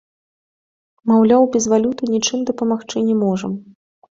Маўляў, без валюты нічым дапамагчы не можам.